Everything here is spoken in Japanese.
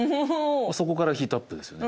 そこからヒートアップですよね